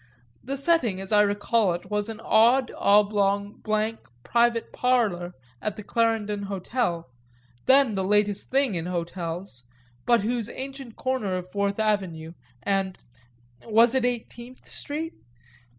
The setting, as I recall it, was an odd, oblong, blank "private parlour" at the Clarendon Hotel, then the latest thing in hotels, but whose ancient corner of Fourth Avenue and was it Eighteenth Street?